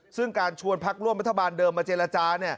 ซึ่งการชวนพักร่วมรัฐบาลเดิมมาเจรจา